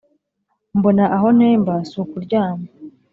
mbona aho ntemba si ukuryama